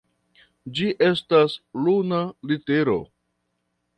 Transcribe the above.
Ĝi estas luna litero.